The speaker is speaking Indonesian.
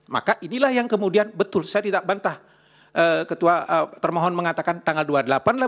maka inilah yang kemudian betul saya tidak bantah ketua termohon mengatakan tanggal dua puluh delapan lah